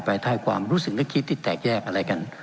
ไปใต้ความรู้สึกและคิดที่แตกแยกอะไรกัน